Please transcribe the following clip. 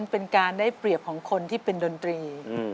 เป็นการได้เปรียบของคนที่เป็นดนตรี